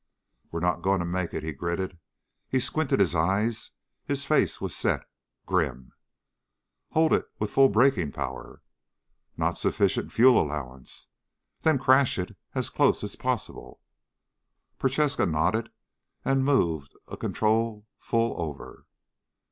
"We're not going to make it," he gritted. He squinted his eyes. His face was set, grim. "Hold it with full braking power." "Not sufficient fuel allowance." "Then crash it as close as possible." Prochaska nodded and moved a control full over.